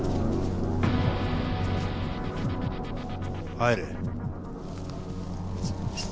入れ。